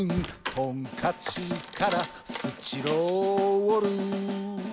「トンカチからスチロール」